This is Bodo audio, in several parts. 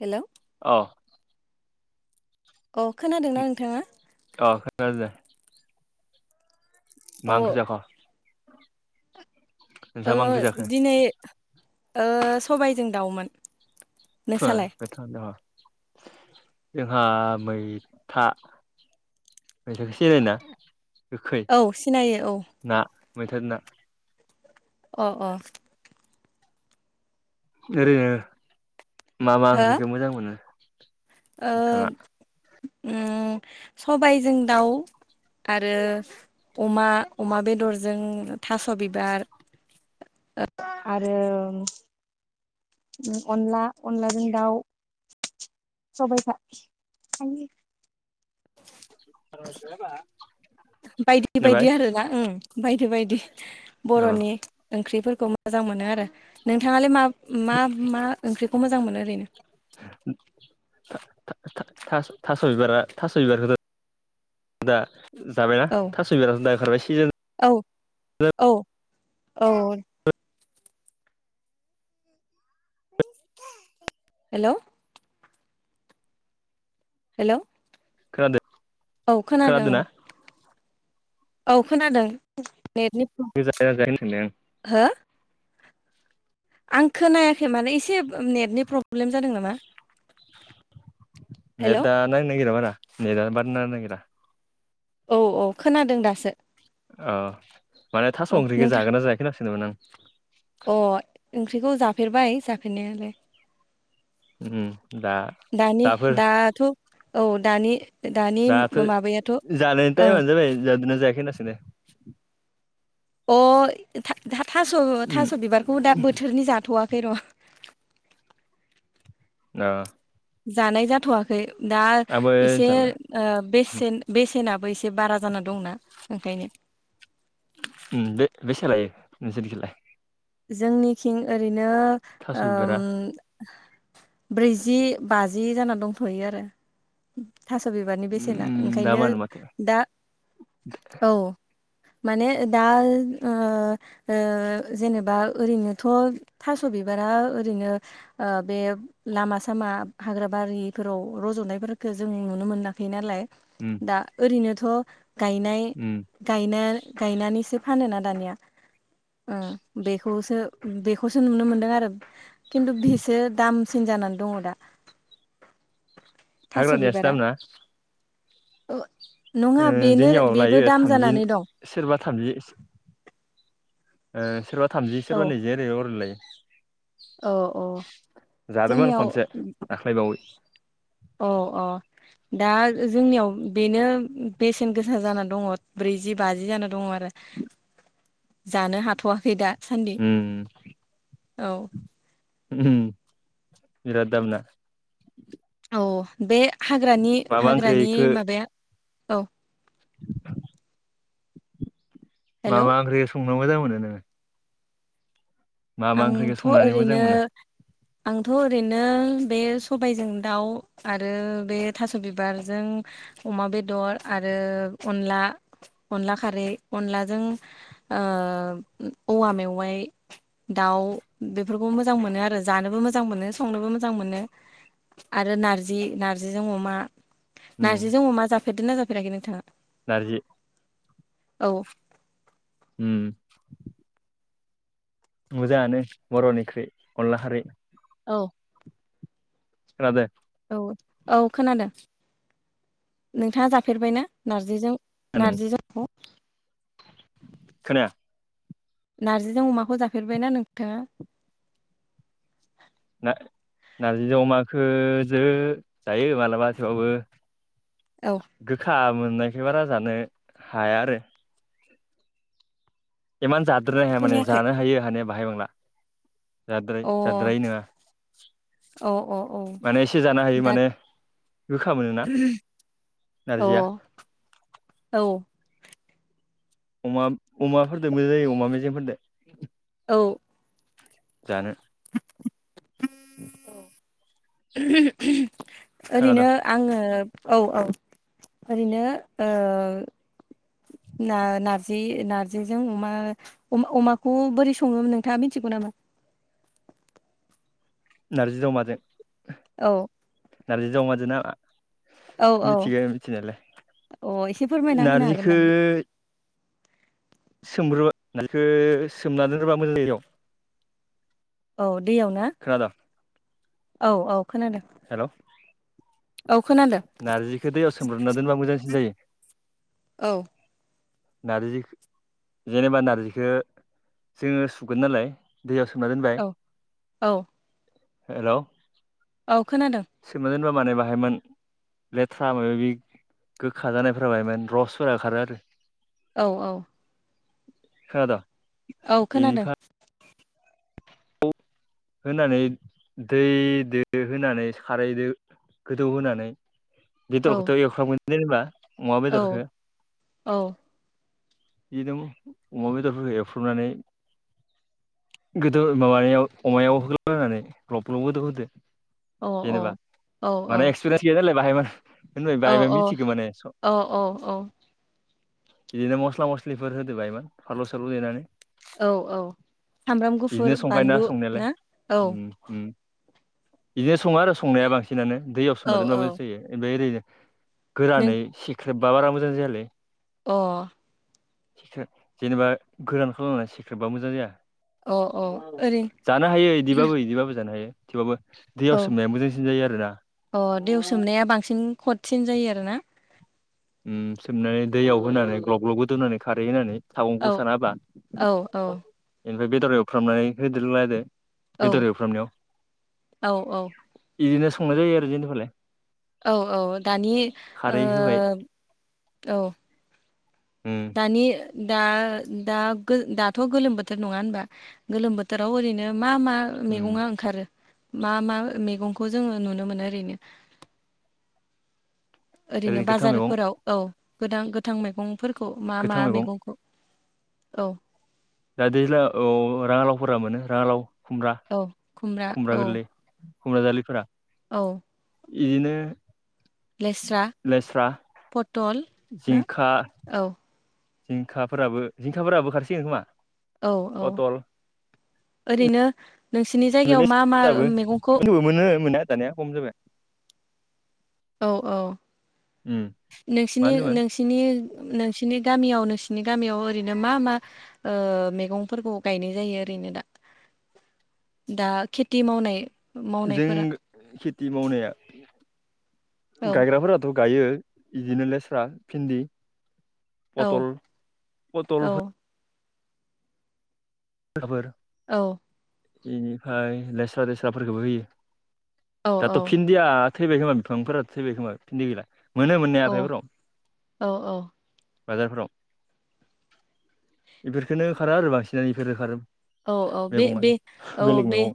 हेल' अ अ खोनादोंना नोंथाङा? [unintelligible] मा औ ओंख्रि जाख'? नोंस्रा मा ओंख्रि जाखो? दिनै सबायजों दाउमोन। नोंसालाय गोथाव थ। जोंहा मैथा [unintelligible] औ सिनायो औ मैथा जों ना अ अ ओरैनो मा मा हो ओंख्रिखौ मोजां मोनो? ओ नोंथाङा उम सबायजों दाउ आरो अमा अमा बेदरजों थास' बिबार आरो अनला अनलाजों दाउ सबाइ [unintelligible] बा बायदि बायदि आरोना ओं बायदि बायदि अ बर'नि ओंख्रिफोरखौ मोजां मोनो आरो नोंथाङालाय मा मा मा ओंख्रिखौ मोजां मोनो ओरैनो था-था-थास' बिबारा थास' बिबारखौथ'दा जाबायना औ थास' बिबार' दा ओंखारबाय सिजोन औ औ हेलौ हेलौ खोनादों औ खोनादों खोनादोंना ओं औ खोनादों नेटनि फ जाया जायाखै होनदों हो आं खोनायाखै माने एसे नेटनि प्रब्लेम जादों नामा? हेलौ नेट आ नांनो नागिरा बारा नेदा बारा नांनो नागिरा औ औ खोनादों दासो अ माने थास औ ओंख्रिखौ नोंथां जागोनना जायाखै होनना सोंदोंमोन आं अ ओंख्रिखौ जाफेरबाय जाफेरनायालाय उम, दा दानि दाफोर दाथ' औ दानि दानि दाथ' माबायाथ' जानायनि ओं टाइमानो जाबाय जादोंना जायाखै होनना सोंदों अ था था उम थास' बिबारखौबो दा बोथोरनि जाथ'वा खै र' ना जानाय जाथ'वाखै दा आंबो एसे जाबाय ओ बेसेन बेसेनाबो एसे एसे बारा जाना दंना ओंखायनो नोंसोलिखाय जोंनिथिं ओरैनो थास' ओम बिबारा ब्रैजि बाजि जाना दंथ'यो आरो थास' बिबारनि बेसेना उम ओंखायनो दामानो माथो दा औ माने दा ओ ओ जेनेबा बा ओरैनोथ' थास' बिबारा ओरैनो ओ बे लामा सामा हाग्रा बारिफोराव रज'नायफोरफोरखौ जों नुनो मोनाखै नालाय उम दा ओरैनोथ' गायनाय उम गायना गायनानैसो फानोना दानिया ओ बेखौसो बेखौसो नुनो मोनदों आरो। खिन्थु बिसो दामसिन जानानै दङ दा। हाग्रा नियासो दाम ना? अ नङा बेनो जोंनियाव बेबो लायो दाम थामजि जानानै दं। सोरबा थामजि सोरबा थामजि औ सोरबा नैजि ओरै ओरैलायो औ औ जादोंमोन जोंनियाव खनसे दाख्लैबावै अ अ दा जोंनियाव बेनो बेसेन गोसा जाना दङ ब्रैजि बाजि जाना दङ आरो। जानो हाथ'वाखै दा ओम औ ओ बिराद दामना। औ बे हाग्रानि मा मा हाग्रानि ओंख्रिखो माबाया औ। [inaudible] हेल' माबा ओंख्रि संनो मोजां मोनो नोङो। मा मा ओंख्रिखौ आंथ' संनानै मोजां ओरैनो। मोनो आंथ' ओरैनो बे सबायजों दाउ आरो बे थास' बिबार जों। अमा बेदर आरो अनला। अनला खारै अनलाजों औवा मेवाइ। दाउ बेफोरखौ मोजां मोनो आरो जानोबो मोजां। मोजां मोनो संनोबो मोजां मोनो आरो नारजि नार्जिजों अमा। उम नारजिजों अमा जाफेरदों ना जाफेराखै नोंथाङा। नारजि। औ। हम। मोजाङानो बर'निओंख्रि अनला खारै । औ। [inaudible] औ औ खोनादों नोंथाङा जाफेरबायना नारजिजों। नारजि जों अ खोनाया। नारजिजों अमाखौ जाफेरबायना नोंथाङा। ना नारजि अमाखो जो जायो माब्लाबा थेवबाबो। औ गोखा मोननायखाय बारा जानो हाया आरो। इमान जाद्राया हाया माने खोनायाखै जानो हायो हाने बाहाय बांला। जाद्राय अ जाद्राय नङा औ औ औ माने एसे जानो हायो दा माने। गोखा मोनोना अ नारजिया। औ। अमा अमाफोरजों मोजां जायो अमा मेजेमफोरदो। [inaudible] जानो। [inaudible] खोनादों ओरैनो आङो। औ औ ओरैनो। ना नारजि नार्जिजों अमा अमाखौ बोरै सङोमोन नोंथाङा मिथिगौ। नाम। नारजिजों अमा जों। औ। नारजि जावमाजों नामा? औ औ मिथिग अ एसे मिथिनायालाय फोरमायना होनो हागोन नारजिखो नामा? सोमग्रोबा मखौ सोमना दोन्रोबा मोजां [unintelligible] औ दैयाव न खोनादों औ औ खोनादों । हेल' नारजिखौ दैयाव सोमब्रबना दोनबा मोजांसिन जायो । औ नारजि जेनेबा नार्जिखो जोङो सुगोन नालाय दैयाव सोमना औ दोनबाय औ हेलौ औ खोनादों सोमना दोनबा माने बाहायमोन लेथ्रा माबा माबि गोखा जानायफोर बाहाय मान रसफोरा खारो आरो औ औ खोनादो़ औ खोनादों [inaudible] होनानै दैदो होनानै खारैदो गोदौ होनोनानै औ बेदरखौथ' एवफामगोन जेनेबा अमा औ बेदरखौ [inaudible] औ बिदिनो अमा बेदरफोरखौ एवफ्रबनानै गोदो माबानायाव अमायाव होग्लानै ग्लब ग्लब गोदौ होदो औ जेनबा औ माने एक्सपिरियेस गैया नालाय बाहय मा होनबाय औ बाहाय औ मिथिगो माने स औ बिदिनो मस्ला मस्लिफोर होदो बाहायमान फालु सालु देनानै। औ औ सामब्राम [inaudible] बिदिनो गुफुर संखायो ना बानलु संनायालाय ना औ ओम ओम बिदिनो सङो आरो संनाया बांसिनानो दैआव औ सोमाना दोनबा औ मोजांसिन जायो ओमफ्राय ओरैनो नों गोरानै सिख्रेबबा बारा मोजां जायालै अ सिख्रे जेनेबा गोरान खालामनानै सिक्रेबा मोजां अ अ जाया। ओरैनो जानो हायो इदिबाबो इदिबाबो जानो हायो थेवबाबो दैयाव औ सोमनाया मोजांसिन जायो आरोना [inaudible] औ दैेआव सोमनाया बांसिन खदसिन जायो आरोना। उम सोमनानै दैयाव होनानै ग्लब ग्लब गोदौनानै खारै होनानै औ सागंखौ सानाहोबा औ औ इनिफ्राय बेदर एवफ्रामनानै होदेर लायदो औ [inaudible] औ औ इदिनो संनाय जायो आरो जेनेबालाय औ औ दानि खारै होबाय ओ [inaudible] औ उम दानि दा-दा-दाथ' गोलोम बोथोर नङा होनबा गोलोम बोथोराव ओरैनो मा मा उम मैगङा ओंखारो? मा मा मैगंखौ जोङो नुनो मोनो ओरैनो? ओरैनो गोथां मैगं बाजारफोराव औ गोदां गोथां मैगंफोरखौ मा मा गोथां मैगं मैगंखौ औ दा दैेज्ला औ राङालावफोरा मोनो राङालाव खुमब्रा, औ खुमब्रा औ गोरलै खुमब्रााजलिफोरा औ इदिनो लेस्रा, लेस्रा पटल ना जिंखा, औ जिंखाफोराबो जिंखाफोराबो ओखारसिगोन खोमा। औ औ पटल [inaudible] ओरैनो नोंसिनि जायगायाव मा मा लेस्राबो मैगंखौ होनबाबो मोनो मोननाया दानिया खम जाबाय। औ औ उम [inaudible] मा नोंसिनि होनदोंमोन नोंसिनि नोंसिनि गामियाव नों सिनि गामियाव ओरैनो मा मा ओ मैगंफोरखौ गायनाय जायो ओरैनो दा? दा खेथि मावनाय जों मावनायफोरा खेथि मावनाया औ गायग्राफोराथ' गायो बिदिनो लेस्रा, भिन्दि औ पटल, औ पटल फोर औ बेनिफ्राय लेस्रा देस्राफोरखौबो होयो। औ दाथ' फिन्दिया थैबाय खोमा बिफांफोरा थैबाय खोमा फिन्दि गैला मोनो मोननाया औ हाथाइफोराव। औ औ बाजारफोराव [inaudible] बेफोरखौनो अखारो आरो बांसिनानो बेफोर अखारो। औ औ बे बे औ बे मैगं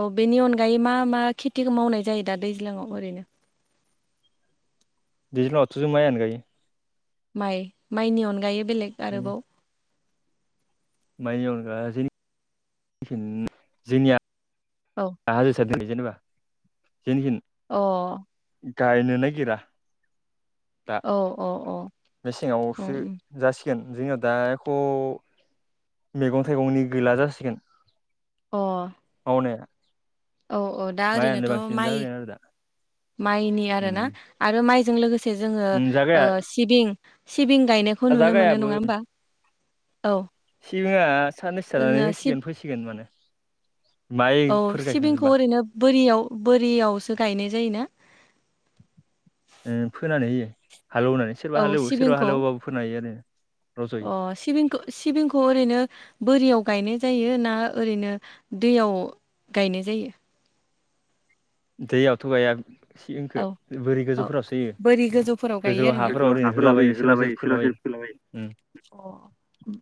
औ बेनि अनगायै मा मा खेथिखौ मावनाय जायो? दा दैज्लाङाव ओरैनो। दैज्लांयावथ' जों मायानो गायो माइ माइनि अनगायै बेलेग आरोबाव बेनि अनगा जोंनिया औ [unintelligible] [inaudible] अ गायनो नागिरा दा औ औ औ उम मेसेङावसो उम गासि जोंनाव दााथ' मैगं थाइगंनि गैला जासिगोन। अ [unintelligible] [inaudible] औ औ दा माइयानो ओरैनोथ' बांसिन माइ जाबायगोन आरो दा माइनि आरोना उम आरो माइजों लोगोसे जोङो ओ जागाया सिबिं सिबिं गायनायखौ नुनो मोनो जागायाबो नङा होमबा औ सिबिङा साननैसो थानानै ओ सिब होसिगोन फैसिगोन माने औ माइफोर सिबिंखौ गायखांजोबबा ओरैनो बोरियाव बोरियावसो गायनाय जायोना फोनानै होयो हालेवनानै औ सोरबा हालेवो सोरबा सिबिंखौ हालेवबाबो फोनानै होयो आरो रज'यो अ सिबिंखौ सिबिंखौ ओरैनो बोरियाव गायनाय जायो ना ना ओरैनो दैयाव गायनाय जायो दैयावथ' गाया सिबिंखो औ बोरै औ गोजौफोराव फोयो गोजौ हाफोराव ओरैनो होलाबायो सोरबा सोरबा फोलाबायो उम अ उम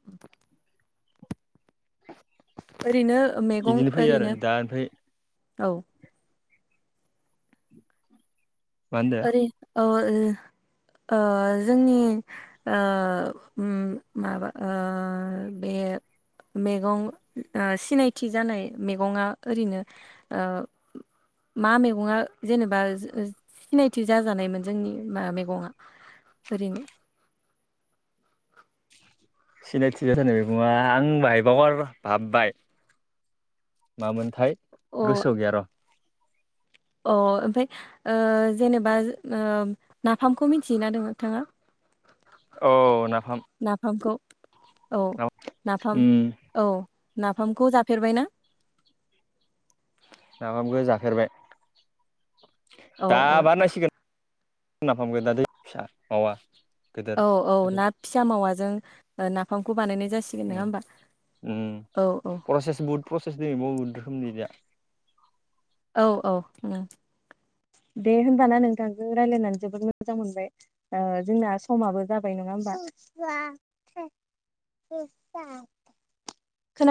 ओरैनो मैगं इदिनो फैयो आरो ओरैनो दा ओमफ्राय औ मा होनदो ओरै अ ओ ओ जोंनि ओ उम माबा ओ बे [unintelligible] [inaudible] मैगं ओ सिनायथि जानाय मैगङा ओरैनो ओ मा मैगङा जेनेबा सिनायथि जाजानायमोन जोंनि मा मैगङा ओरैनो सिनायथि जानाय मैगङा आं [unintelligible] मामोनथाय अ गोसोआव गैया र' अ ओमफाय ओ जेनेबा ओ नाफामखौ मिथियोना नोंथाङा औ नाफाम नाफामखौ औ नाफाम औ नाफामखौ जाफेरबाय ना नाफामखौ जाफेरबाय औ-औ-औ नाफाम दा दै फिसा मावा गिदिर औ औ ना फिसा मावाजों नाफामखौ बानायनो औ प्रसेस बहुद प्रसेस दब बहुद रोखोमनि दा औ औ दे होनबाना नोंथांखौ रायलायनानै जोबोद मोजां मोनबाय जोंना ओ समाबो जाबाय नङा नङा होनबा